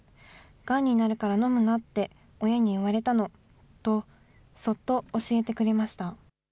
がんになるから飲むなって親に言われたのとそっと教えてくれました。